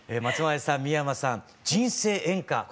松前さん三山さん「人生援歌」